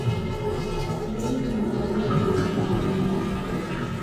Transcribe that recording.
Daños monetarios se dan generalmente en su lugar.